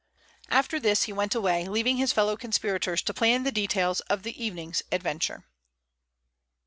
After this he went away, leaving his fellow conspirators to plan the details of the evening's adventure.